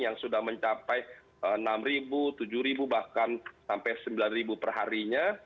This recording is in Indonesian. yang sudah mencapai enam tujuh bahkan sampai sembilan perharinya